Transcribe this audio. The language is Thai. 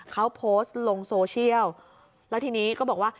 เขาโพสต์ลงโซเชียลแล้วทีนี้ก็บอกว่า